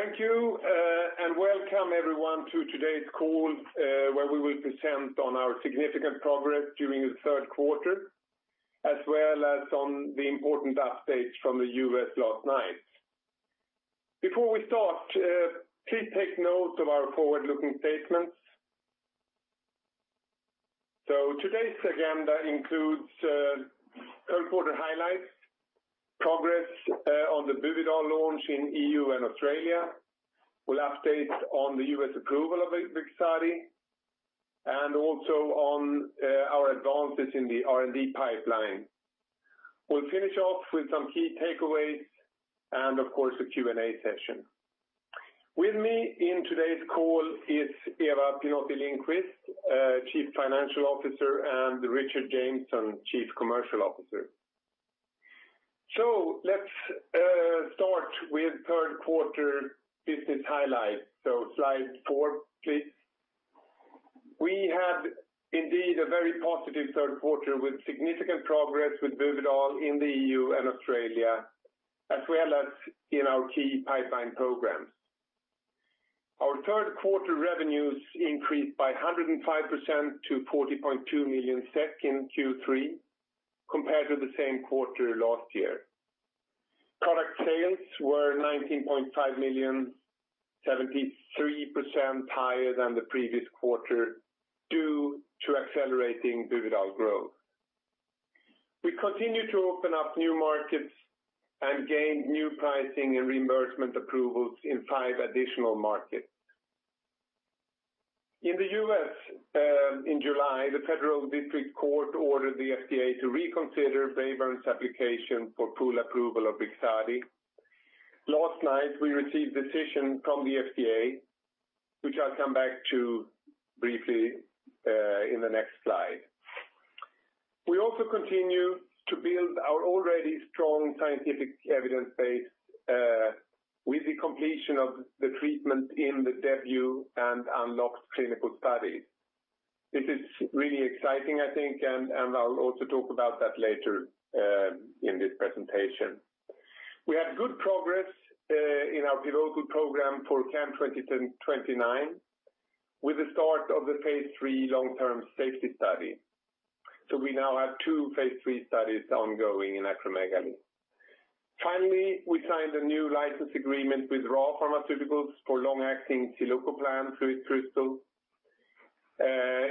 Thank you, and welcome everyone to today's call, where we will present on our significant progress during the third quarter, as well as on the important updates from the U.S. last night. Before we start, please take note of our forward-looking statements. Today's agenda includes third quarter highlights, progress on the Buvidal launch in E.U. and Australia, we'll update on the U.S. approval of BRIXADI, and also on our advances in the R&D pipeline. We'll finish off with some key takeaways and of course, a Q&A session. With me in today's call is Eva Pinotti-Lindqvist, Chief Financial Officer, and Richard Jameson, Chief Commercial Officer. Let's start with third quarter business highlights. Slide four, please. We had indeed a very positive third quarter with significant progress with Buvidal in the E.U. and Australia, as well as in our key pipeline programs. Our third quarter revenues increased by 105% to 40.2 million SEK in Q3, compared to the same quarter last year. Product sales were 19.5 million, 73% higher than the previous quarter, due to accelerating Buvidal growth. We continue to open up new markets and gain new pricing and reimbursement approvals in five additional markets. In the U.S., in July, the Federal District Court ordered the FDA to reconsider Braeburn's application for full approval of BRIXADI. Last night, we received decision from the FDA, which I'll come back to briefly, in the next slide. We also continue to build our already strong scientific evidence base, with the completion of the treatment in the DEBUT and UNLOC-T clinical studies. This is really exciting, I think, and, and I'll also talk about that later, in this presentation. We had good progress, in our clinical program for CAM2029, with the start of the phase III long-term safety study. So we now have two phase III studies ongoing in acromegaly. Finally, we signed a new license agreement with Ra Pharma for long-acting subcutaneous FluidCrystal,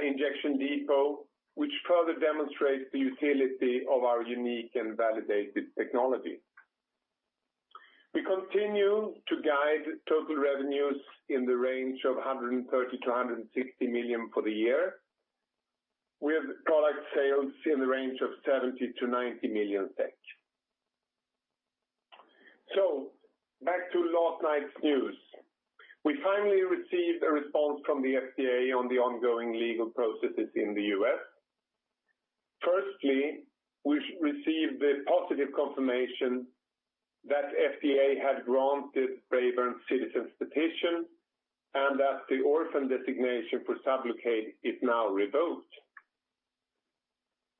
injection depot, which further demonstrates the utility of our unique and validated technology. We continue to guide total revenues in the range of 130-160 million for the year, with product sales in the range of 70 million-90 million. So back to last night's news. We finally received a response from the FDA on the ongoing legal processes in the U.S. Firstly, we received the positive confirmation that FDA had granted Braeburn citizen's petition, and that the orphan designation for Sublocade is now revoked.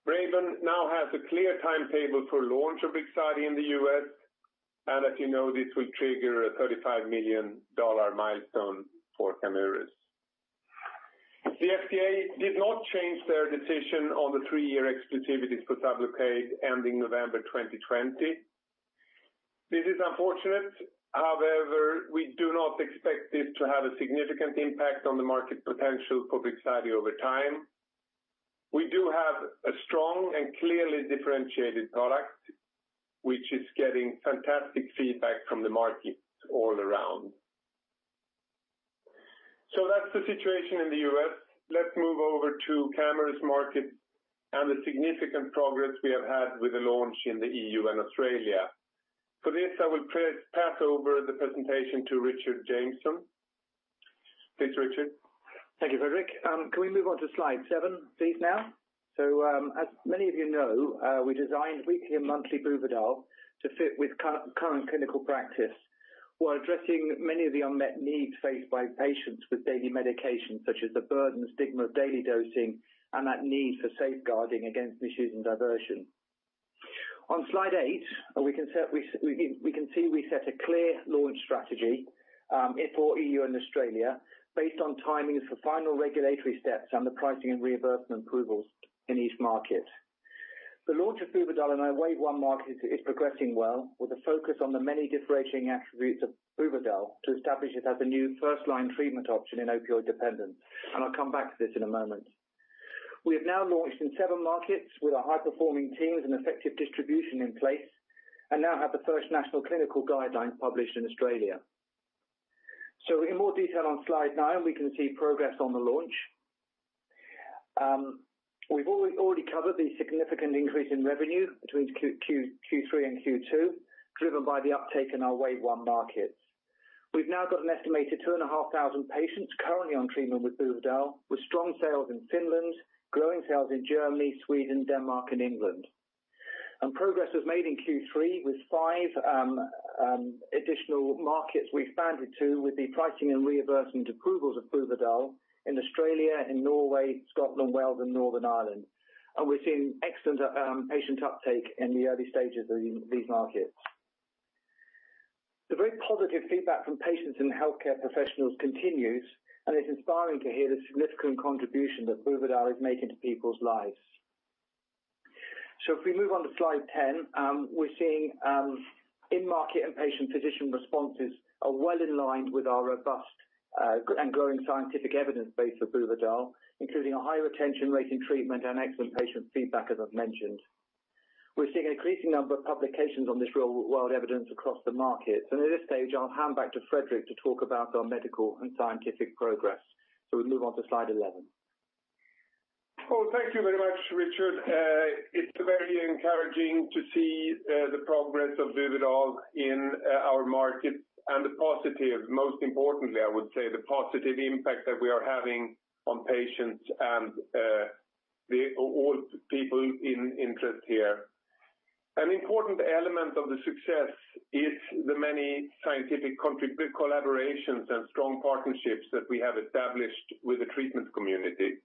Braeburn now has a clear timetable for launch of BRIXADI in the U.S., and as you know, this will trigger a $35 million milestone for Camurus. The FDA did not change their decision on the three-year exclusivity for Sublocade, ending November 2020. This is unfortunate, however, we do not expect this to have a significant impact on the market potential for BRIXADI over time. We do have a strong and clearly differentiated product, which is getting fantastic feedback from the market all around. So that's the situation in the U.S. Let's move over to Camurus market and the significant progress we have had with the launch in the E.U. and Australia. For this, I will pass over the presentation to Richard Jameson. Thanks, Richard. Thank you, Fredrik. Can we move on to slide seven, please, now? So, as many of you know, we designed weekly and monthly Buvidal to fit with current clinical practice, while addressing many of the unmet needs faced by patients with daily medication, such as the burden and stigma of daily dosing and that need for safeguarding against misuse and diversion. On Slide eight, we can see we set a clear launch strategy, for E.U. and Australia, based on timings for final regulatory steps and the pricing and reimbursement approvals in each market. The launch of Buvidal in our wave one market is progressing well, with a focus on the many differentiating attributes of Buvidal to establish it as a new first-line treatment option in opioid dependence, and I'll come back to this in a moment. We have now launched in seven markets with our high-performing teams and effective distribution in place, and now have the first national clinical guidelines published in Australia. So in more detail on Slide nine, we can see progress on the launch. We've already covered the significant increase in revenue between Q3 and Q2, driven by the uptake in our wave one markets. We've now got an estimated 2,500 patients currently on treatment with Buvidal, with strong sales in Finland, growing sales in Germany, Sweden, Denmark, and England. Progress was made in Q3, with five additional markets we expanded to, with the pricing and reimbursement approvals of Buvidal in Australia, in Norway, Scotland, Wales, and Northern Ireland. We're seeing excellent patient uptake in the early stages of these markets... The very positive feedback from patients and healthcare professionals continues, and it's inspiring to hear the significant contribution that Buvidal is making to people's lives. If we move on to Slide 10, we're seeing in-market and patient physician responses are well in line with our robust and growing scientific evidence base for Buvidal, including a high retention rate in treatment and excellent patient feedback, as I've mentioned. We're seeing an increasing number of publications on this real-world evidence across the market. At this stage, I'll hand back to Fredrik to talk about our medical and scientific progress. We move on to Slide 11. Well, thank you very much, Richard. It's very encouraging to see the progress of Buvidal in our markets and the positive, most importantly, I would say, the positive impact that we are having on patients and all people in interest here. An important element of the success is the many scientific collaborations and strong partnerships that we have established with the treatment community.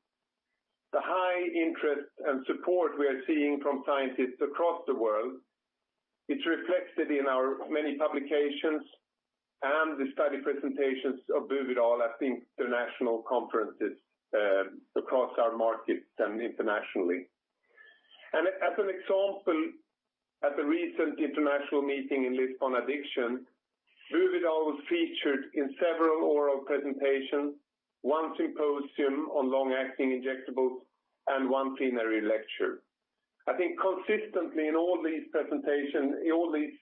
The high interest and support we are seeing from scientists across the world, it's reflected in our many publications and the study presentations of Buvidal at the international conferences across our markets and internationally. And as an example, at the recent international addiction meeting in Lisbon, Buvidal was featured in several oral presentations, one symposium on long-acting injectables, and one plenary lecture. I think consistently in all these presentations, in all these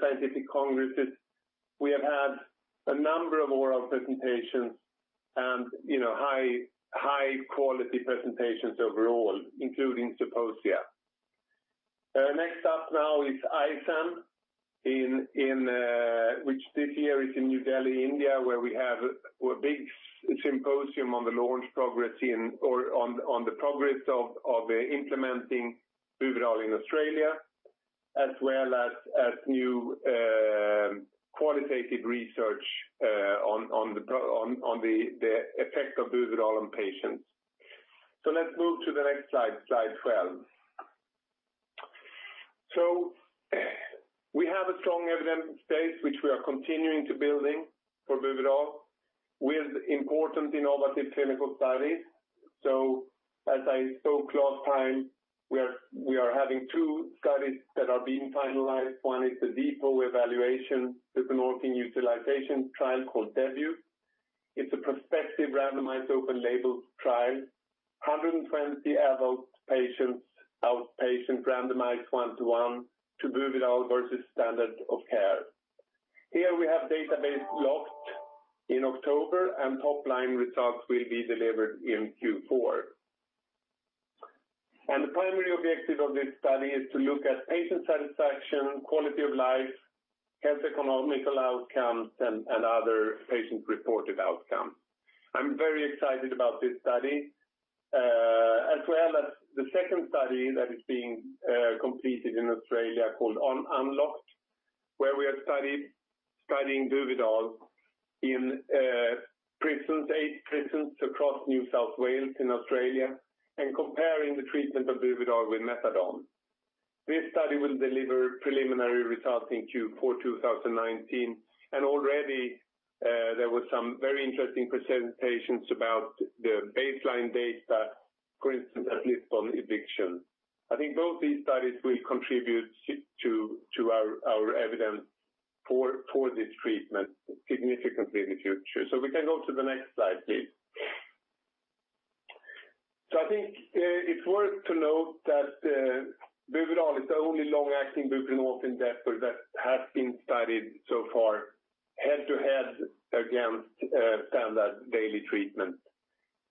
scientific congresses, we have had a number of oral presentations and, you know, high-quality presentations overall, including symposia. Next up now is ISAM in which this year is in New Delhi, India, where we have a big symposium on the launch progress in or on the progress of implementing Buvidal in Australia, as well as new qualitative research on the effect of Buvidal on patients. Let's move to the next slide, Slide 12. We have a strong evidence base, which we are continuing to building for Buvidal, with important innovative clinical studies. As I spoke last time, we are having two studies that are being finalized. One is the Depot Evaluation with the buprenorphine Utilization trial called DEBUT. It's a prospective, randomized, open label trial. 120 adult patients, outpatient, randomized one to one, to Buvidal versus standard of care. Here we have database locked in October, and top-line results will be delivered in Q4. The primary objective of this study is to look at patient satisfaction, quality of life, health economical outcomes, and other patient-reported outcomes. I'm very excited about this study, as well as the second study that is being completed in Australia called UNLOC-T, where we are studying Buvidal in prisons, eight prisons across New South Wales in Australia, and comparing the treatment of Buvidal with methadone. This study will deliver preliminary results in Q4 2019, and already, there was some very interesting presentations about the baseline data, for instance, at least on eviction. I think both these studies will contribute to our evidence for this treatment significantly in the future. We can go to the next slide, please. I think it's worth to note that Buvidal is the only long-acting buprenorphine depot that has been studied so far, head-to-head against standard daily treatment,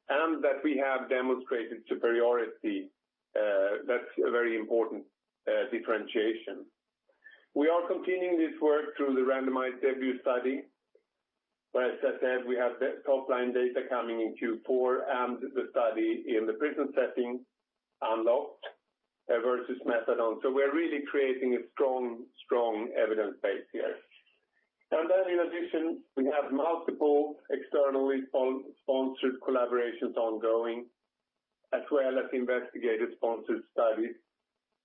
and that we have demonstrated superiority. That's a very important differentiation. We are continuing this work through the randomized debut study, where, as I said, we have the top-line data coming in Q4, and the study in the prison setting UNLOC-T versus methadone. We're really creating a strong, strong evidence base here. In addition, we have multiple externally sponsored collaborations ongoing, as well as investigative-sponsored studies,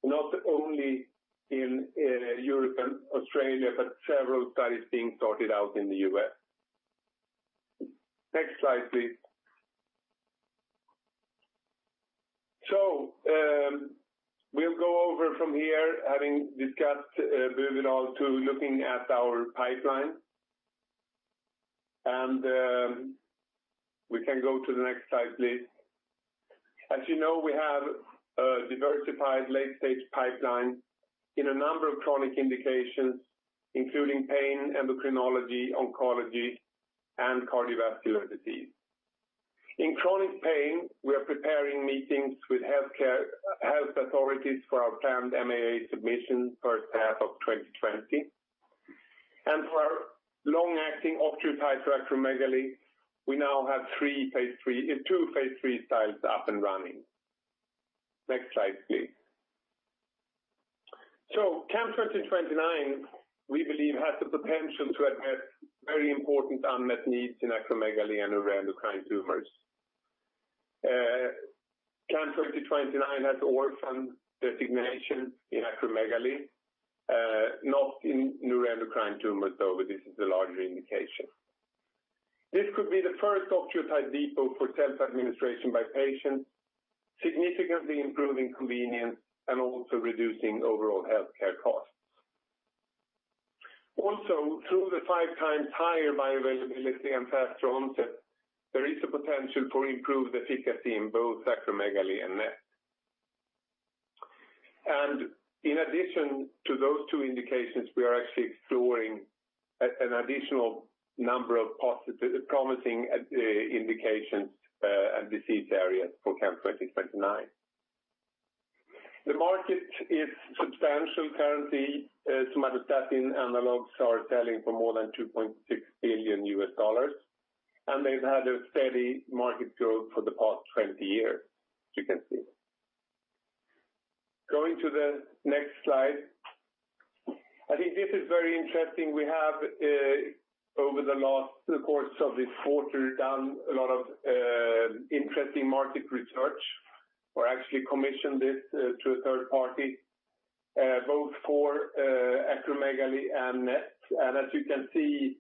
not only in Europe and Australia, but several studies being sorted out in the U.S.. Next slide, please. We'll go over from here, having discussed Buvidal, to looking at our pipeline. We can go to the next slide, please. As you know, we have a diversified late-stage pipeline in a number of chronic indications, including pain, endocrinology, oncology, and cardiovascular disease. In chronic pain, we are preparing meetings with health authorities for our planned MLA submission first half of 2020. For our long-acting octreotide somatostatin, we now have three phase III—two phase III studies up and running. Next slide, please. CAM2229, we believe, has the potential to address very important unmet needs in acromegaly and endocrine tumors. CAM2029 has orphan designation in acromegaly, not in neuroendocrine tumors, though this is the larger indication. This could be the first octreotide depot for self-administration by patients, significantly improving convenience and also reducing overall healthcare costs. Also, through the five times higher bioavailability and fast onset, there is a potential for improved efficacy in both acromegaly and NET. In addition to those two indications, we are actually exploring at an additional number of positive, promising, indications, and disease areas for CAM2029. The market is substantial currently, as somatostatin analogs are selling for more than $2.6 billion, and they've had a steady market growth for the past 20 years, as you can see. Going to the next slide. I think this is very interesting. We have, over the last course of this quarter, done a lot of, interesting market research or actually commissioned this, to a third party, both for, acromegaly and NET. And as you can see,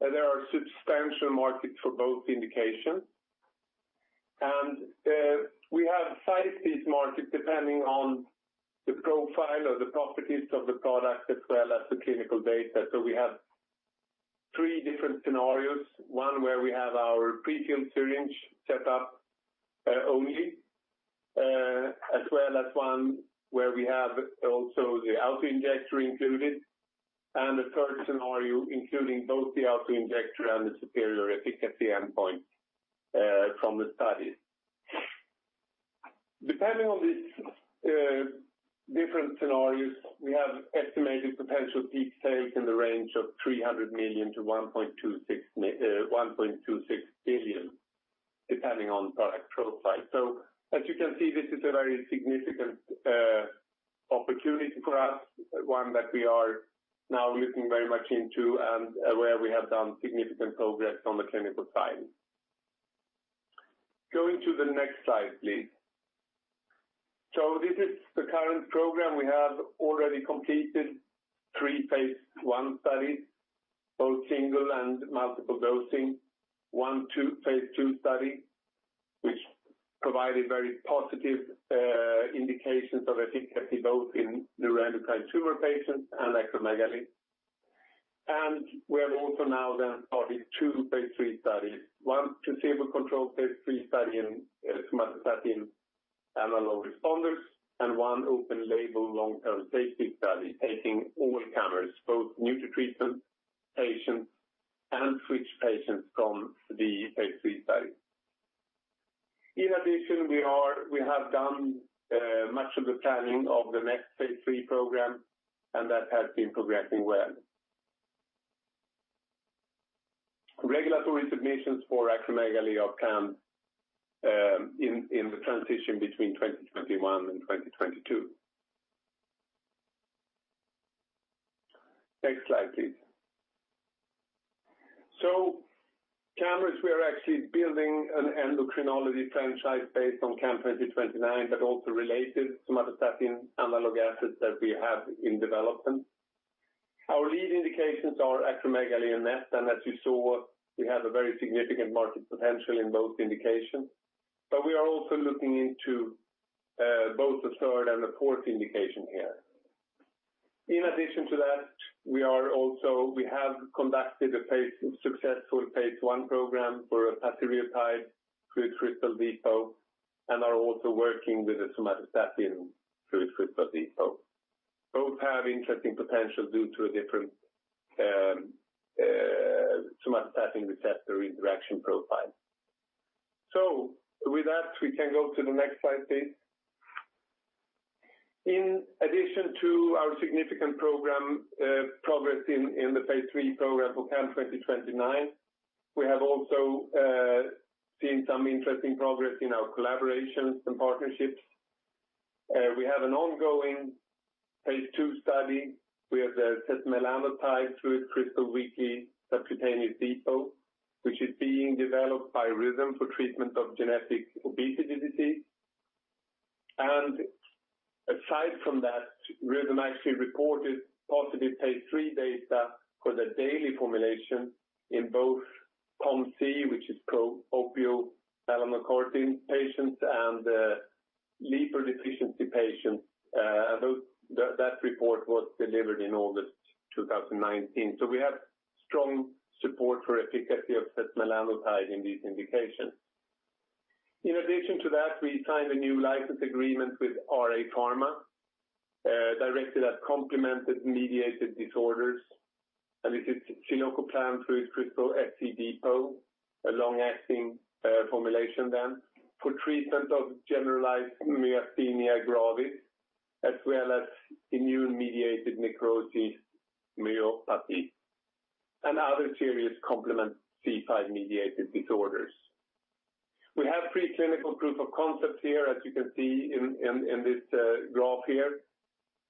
there are substantial markets for both indications. We have sized these markets depending on the profile or the properties of the product, as well as the clinical data. We have three different scenarios, one where we have our prefilled syringe set up only, as well as one where we have also the auto-injector included, and a third scenario including both the auto-injector and the superior efficacy endpoint from the study. Depending on these different scenarios, we have estimated potential peak sales in the range of 300 million-1.26 billion, depending on product profile. As you can see, this is a very significant opportunity for us, one that we are now looking very much into and where we have done significant progress on the clinical side. Going to the next slide, please. This is the current program. We have already completed three phase I studies, both single and multiple dosing, one, two, phase II study, which provided very positive, indications of efficacy both in neuroendocrine tumor patients and acromegaly. We have also now then started two phase III studies, one placebo-controlled phase III study in, somatostatin analog responders, and one open label long-term safety study, taking all comers, both new to treatment patients and switched patients from the phase III study. In addition, we have done, much of the planning of the next phase III program, and that has been progressing well. Regulatory submissions for acromegaly are planned, in, in the transition between 2021 and 2022. Next slide, please. Camurus, we are actually building an endocrinology franchise based on CAM2029, but also related somatostatin analog assets that we have in development. Our lead indications are acromegaly and NET, and as you saw, we have a very significant market potential in both indications. But we are also looking into both the third and the fourth indication here. In addition to that, we have conducted a phase I, successful phase I program for a setmelanotide FluidCrystal depot, and are also working with a somatostatin FluidCrystal depot. Both have interesting potential due to a different somatostatin receptor interaction profile. So with that, we can go to the next slide, please. In addition to our significant program progress in the phase III program for CAM2029, we have also seen some interesting progress in our collaborations and partnerships. We have an ongoing phase II study with the setmelanotide FluidCrystal weekly subcutaneous depot, which is being developed by Rhythm for treatment of genetic obesity disease. And aside from that, Rhythm actually reported positive phase III data for the daily formulation in both POMC, which is proopiomelanocortin patients and leptin deficiency patients. Those, that report was delivered in August 2019. So we have strong support for efficacy of setmelanotide in these indications. In addition to that, we signed a new license agreement with Ra Pharma directed at complement mediated disorders, and this is zilucoplan FluidCrystal SC depot, a long-acting formulation then, for treatment of generalized myasthenia gravis, as well as immune-mediated necrotizing myopathy, and other serious complement C5 mediated disorders. We have preclinical proof of concepts here, as you can see in this graph here,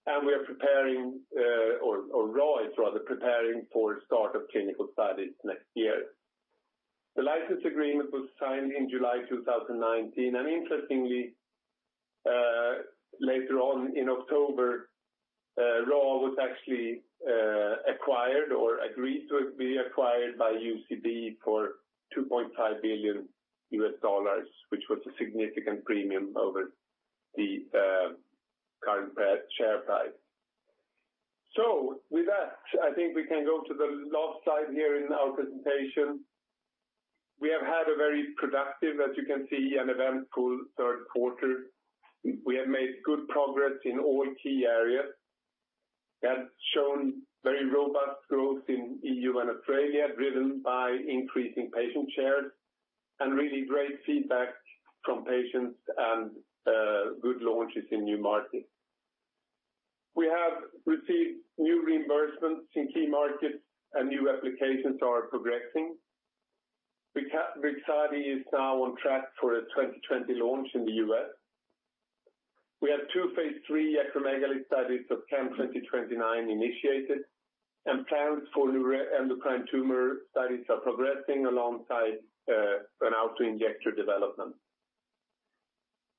and we are preparing, or Roy is rather preparing for start of clinical studies next year. The license agreement was signed in July 2019, and interestingly, later on in October, Ra Pharma was actually acquired or agreed to be acquired by UCB for $2.5 billion, which was a significant premium over the current per-share price. So with that, I think we can go to the last slide here in our presentation. We have had a very productive, as you can see, an eventful third quarter. We have made good progress in all key areas and shown very robust growth in E.U. and Australia, driven by increasing patient shares and really great feedback from patients and good launches in new markets. We have received new reimbursements in key markets and new applications are progressing. BRIXADI is now on track for a 2020 launch in the U.S.. We have two phase III acromegaly studies of CAM2029 initiated, and plans for neuroendocrine tumor studies are progressing alongside an auto-injector development.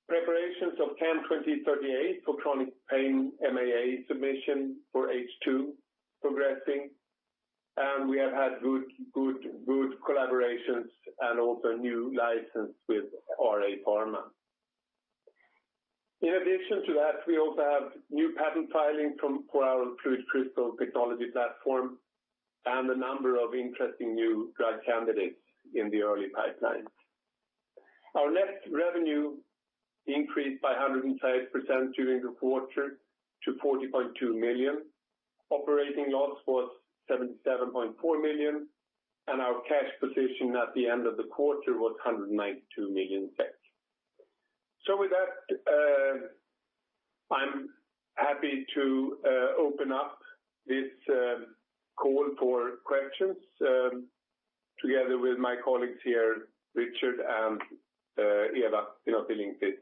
Preparations of CAM2038 for chronic pain MAA submission for H2 progressing, and we have had good, good, good collaborations and also a new license with Ra Pharma. In addition to that, we also have new patent filing for our improved crystal technology platform and a number of interesting new drug candidates in the early pipeline. Our net revenue increased by 105% during the quarter to 40.2 million. Operating loss was 77.4 million, and our cash position at the end of the quarter was 192 million. So with that, I'm happy to open up this call for questions together with my colleagues here, Richard and Eva, in our billing team.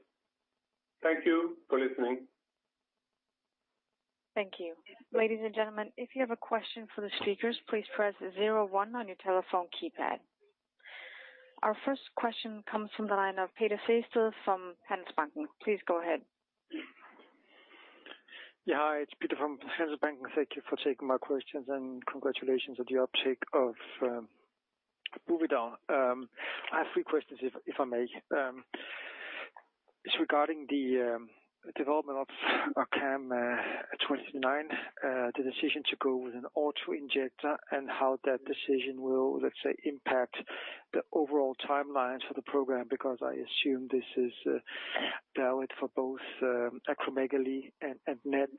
Thank you for listening. Thank you. Ladies and gentlemen, if you have a question for the speakers, please press zero one on your telephone keypad. Our first question comes from the line of Peter Sehested from Handelsbanken. Please go ahead. Yeah, hi, it's Peter from Handelsbanken. Thank you for taking my questions, and congratulations on the uptake of Buvidal. I have three questions, if I may. It's regarding the development of CAM2029, the decision to go with an auto-injector and how that decision will, let's say, impact the overall timelines for the program, because I assume this is valid for both acromegaly and NETs,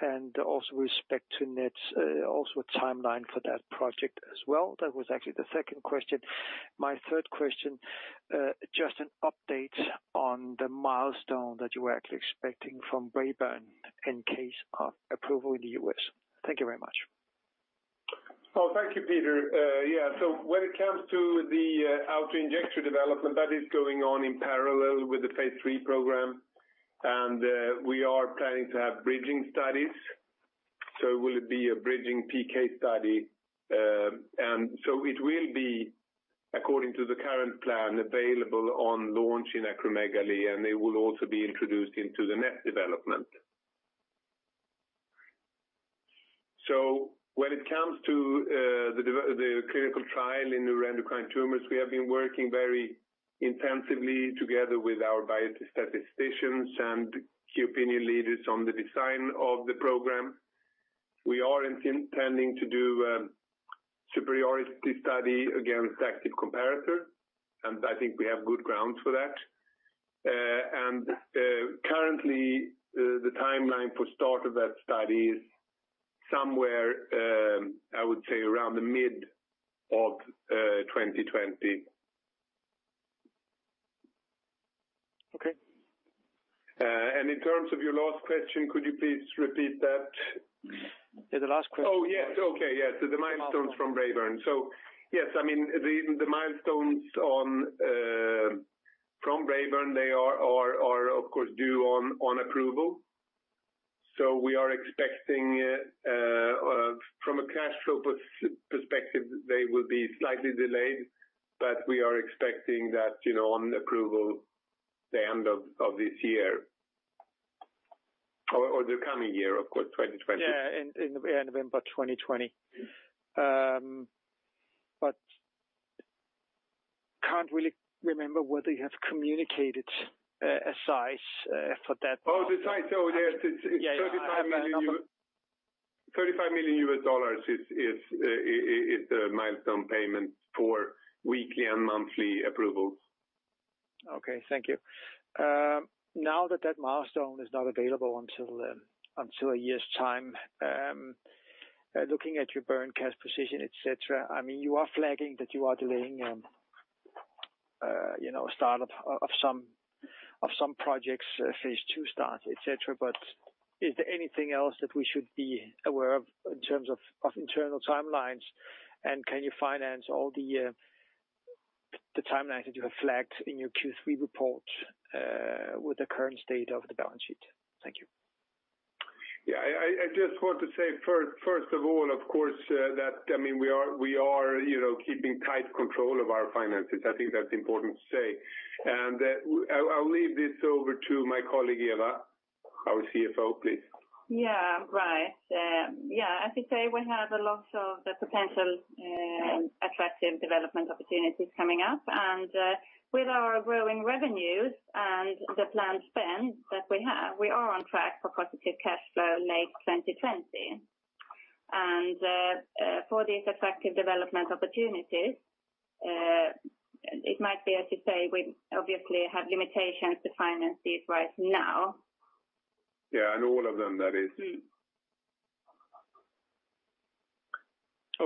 and also with respect to NETs, also a timeline for that project as well. That was actually the second question. My third question, just an update on the milestone that you were actually expecting from Braeburn in case of approval in the U.S. Thank you very much. Oh, thank you, Peter. Yeah, so when it comes to the auto-injector development, that is going on in parallel with the phase III program, and we are planning to have bridging studies. So will it be a bridging PK study? And so it will be, according to the current plan, available on launch in acromegaly, and it will also be introduced into the NET development. So when it comes to the clinical trial in neuroendocrine tumors, we have been working very intensively together with our biostatisticians and key opinion leaders on the design of the program. We are intending to do a superiority study against active comparator, and I think we have good grounds for that. And currently, the timeline for start of that study is somewhere, I would say, around the mid of 2020. Okay. In terms of your last question, could you please repeat that? Yeah, the last question- Oh, yes. Okay, yes, so the milestones from Braeburn. So, yes, I mean, the milestones from Braeburn, they are, of course, due on approval. So we are expecting from a cash flow perspective, they will be slightly delayed, but we are expecting that, you know, on approval, the end of this year, or the coming year, of course, 2020. Yeah, in November 2020. But can't really remember whether you have communicated a size for that- Oh, the size. So yes, it's- Yeah... $35 million, $35 million is the milestone payment for weekly and monthly approvals. Okay. Thank you. Now that that milestone is not available until a year's time, looking at your burn cash position, et cetera, I mean, you are flagging that you are delaying, you know, startup of some projects, phase II starts, et cetera. But is there anything else that we should be aware of in terms of internal timelines? And can you finance all the timeline that you have flagged in your Q3 report with the current state of the balance sheet? Thank you. Yeah, I just want to say first of all, of course, that, I mean, we are, you know, keeping tight control of our finances. I think that's important to say. And, I'll leave this over to my colleague, Eva, our CFO, please. Yeah, right. Yeah, as you say, we have a lot of the potential, attractive development opportunities coming up, and, with our growing revenues and the planned spend that we have, we are on track for positive cash flow late 2020. And, for these effective development opportunities, it might be, as you say, we obviously have limitations to finance these right now. Yeah, and all of them, that is. Mm-hmm.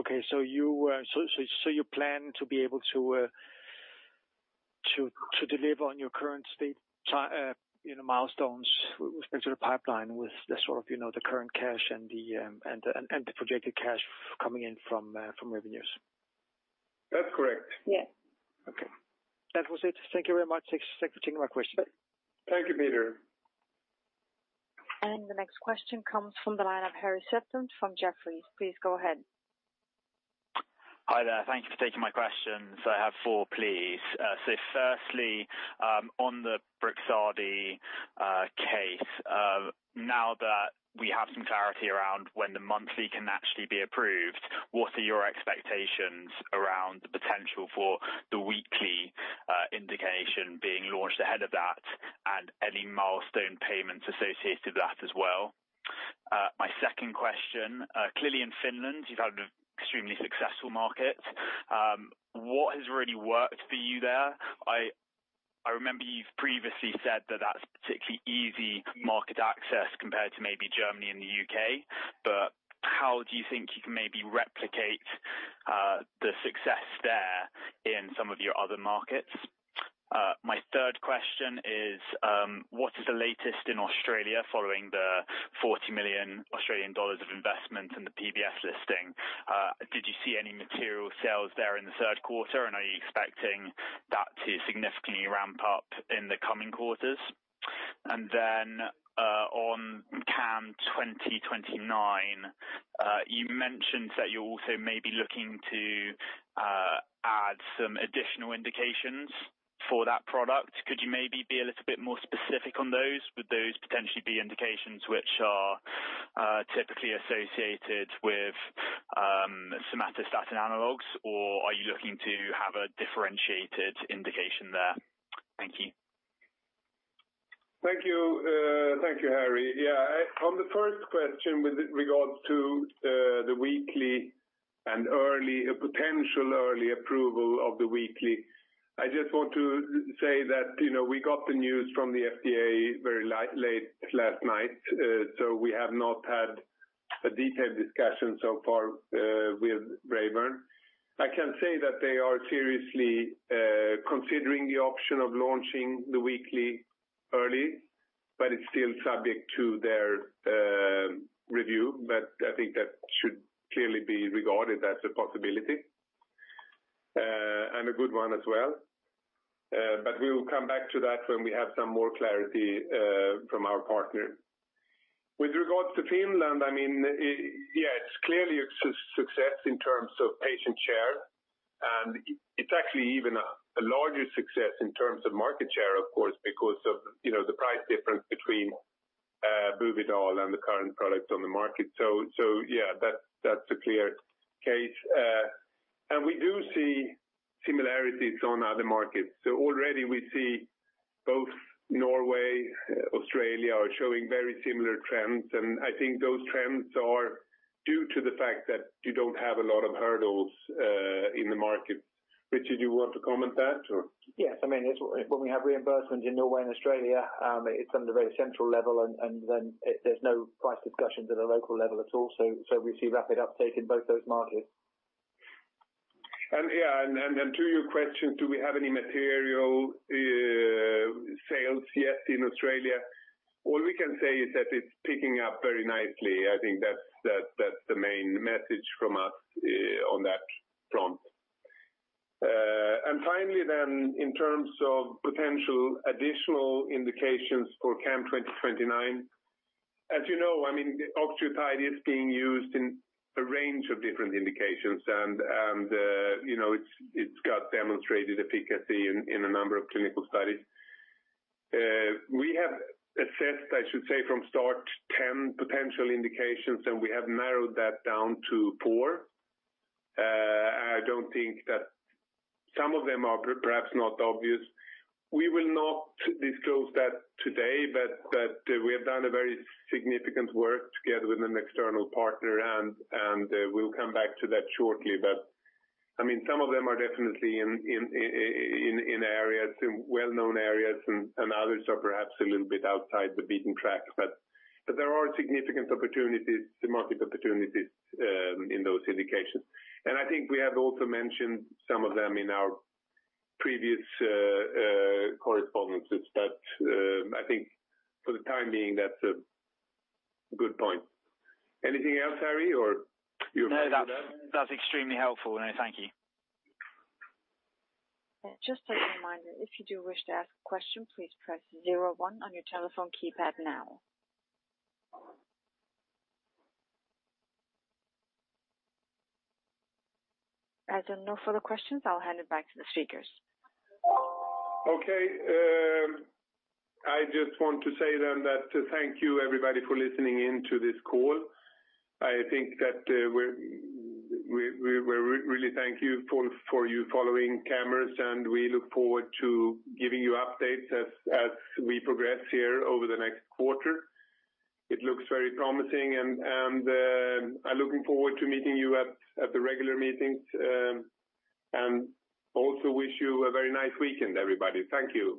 Okay, so you plan to be able to deliver on your current state, you know, milestones with respect to the pipeline, with the sort of, you know, the current cash and the projected cash coming in from revenues? That's correct. Yes. Okay. That was it. Thank you very much. Thanks for taking my question. Thank you, Peter. The next question comes from the line of Harry Sephton from Jefferies. Please go ahead. Hi there. Thank you for taking my questions. I have four, please. So firstly, on the BRIXADI case, now that we have some clarity around when the monthly can actually be approved, what are your expectations around the potential for the weekly indication being launched ahead of that, and any milestone payments associated with that as well? My second question, clearly in Finland, you've had an extremely successful market. What has really worked for you there? I remember you've previously said that that's particularly easy market access compared to maybe Germany and the U.K., but how do you think you can maybe replicate the success there in some of your other markets? My third question is, what is the latest in Australia following the 40 million Australian dollars of investment in the PBS listing? Did you see any material sales there in the third quarter, and are you expecting that to significantly ramp up in the coming quarters? And then, on CAM2029, you mentioned that you're also maybe looking to add some additional indications for that product. Could you maybe be a little bit more specific on those? Would those potentially be indications which are typically associated with somatostatin analogs, or are you looking to have a differentiated indication there? Thank you. Thank you. Thank you, Harry. Yeah, on the first question with regards to, the weekly and early, a potential early approval of the weekly, I just want to say that, you know, we got the news from the FDA very late last night, so we have not had a detailed discussion so far, with Braeburn. I can say that they are seriously, considering the option of launching the weekly early, but it's still subject to their, review, but I think that should clearly be regarded as a possibility, and a good one as well. But we will come back to that when we have some more clarity, from our partner. With regards to Finland, I mean, yeah, it's clearly a success in terms of patient share, and it's actually even a larger success in terms of market share, of course, because of, you know, the price difference between Buvidal and the current products on the market. So yeah, that's a clear case. And we do see similarities on other markets. So already we see both Norway, Australia are showing very similar trends, and I think those trends are due to the fact that you don't have a lot of hurdles in the market. Richard, you want to comment that, or? Yes. I mean, it's when we have reimbursement in Norway and Australia, it's on the very central level, and then there's no price discussions at a local level at all, so we see rapid uptake in both those markets. Yeah, to your question, do we have any material sales yet in Australia? All we can say is that it's picking up very nicely. I think that's the main message from us on that front. And finally, in terms of potential additional indications for CAM-2029, as you know, I mean, octreotide is being used in a range of different indications, and you know, it's got demonstrated efficacy in a number of clinical studies. We have assessed, I should say, from start, 10 potential indications, and we have narrowed that down to 4. I don't think that some of them are perhaps not obvious. We will not disclose that today, but we have done a very significant work together with an external partner, and we'll come back to that shortly. But, I mean, some of them are definitely in areas, in well-known areas, and others are perhaps a little bit outside the beaten track, but there are significant opportunities, market opportunities, in those indications. And I think we have also mentioned some of them in our previous correspondences, but I think for the time being, that's a good point. Anything else, Harry, or you're happy with that? No, that's, that's extremely helpful. No, thank you. Just a reminder, if you do wish to ask a question, please press zero one on your telephone keypad now. As there are no further questions, I'll hand it back to the speakers. Okay, I just want to say then that thank you everybody for listening in to this call. I think that we really thank you for your following Camurus, and we look forward to giving you updates as we progress here over the next quarter. It looks very promising and I'm looking forward to meeting you at the regular meetings, and also wish you a very nice weekend, everybody. Thank you.